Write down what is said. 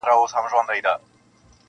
کله کله یې سکوت هم مسؤلیت دی ,